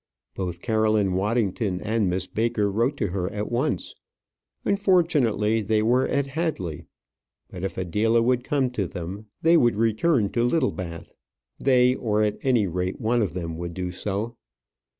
Both Caroline Waddington and Miss Baker wrote to her at once. Unfortunately they were at Hadley; but if Adela would come to them, they would return to Littlebath. They, or at any rate, one of them would do so.